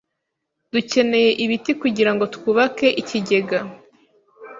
Dukeneye ibiti kugirango twubake ikigega.